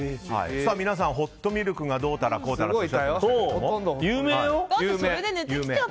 皆さん、ホットミルクがどうたらこうたらとだって有名だよ！